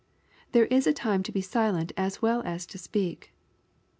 ] There is a time to be silent as well as to speak.